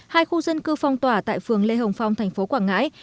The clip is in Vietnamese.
hai khu dân cư phong tỏa tại phường lê hồng phong thành phố quảng ngãi